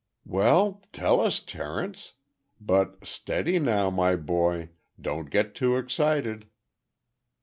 "Well, tell us, Terence—but steady, now, my boy. Don't get too excited."